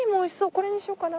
これにしようかな。